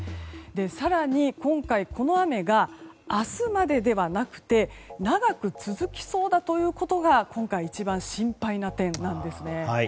更に今回、この雨が明日までではなくて長く続きそうだということが今回、一番心配な点なんです。